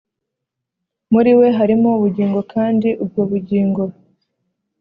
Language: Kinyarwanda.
Muri we harimo ubugingo kandi ubwo bugingo